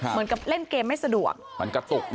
เหมือนกับเล่นเกมไม่สะดวก